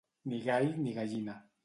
Ni gall ni gallina.